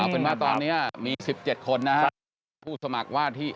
เป็นว่าตอนนี้มี๑๗คนนะครับ